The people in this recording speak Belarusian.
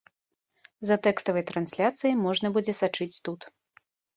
За тэкставай трансляцыяй можна будзе сачыць тут.